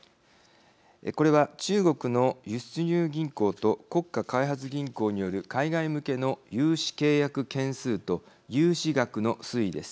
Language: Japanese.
これは中国の輸出入銀行と国家開発銀行による海外向けの融資契約件数と融資額の推移です。